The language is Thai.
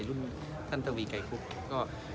ีรุ่นดท่านทวีกายคุก